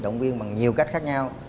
động viên bằng nhiều cách khác nhau